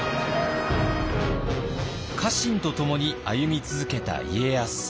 家臣とともに歩み続けた家康。